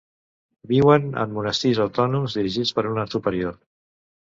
Viuen en monestirs autònoms dirigits per una superior.